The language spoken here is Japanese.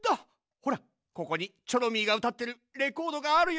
ほらここにチョロミーがうたってるレコードがあるよ。